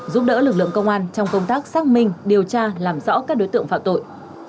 giúp đỡ lực lượng công an trong công tác xác minh điều tra làm rõ các đối tượng phạm tội